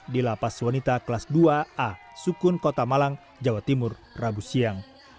di lapas wanita kelas dua a sukun kota malang jawa timur rabu siang